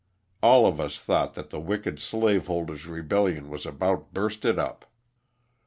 All of us thought that the wicked slave holders' rebel lion was about bursted up.